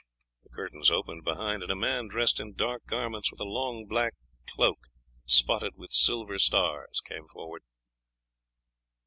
The curtains opened behind, and a man dressed in dark garments with a long black cloak spotted with silver stars came forward.